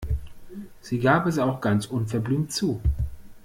Sie gab es auch ganz unverblümt zu.